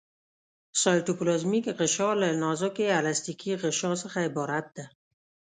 سایټوپلازمیک غشا له نازکې الستیکي غشا څخه عبارت ده.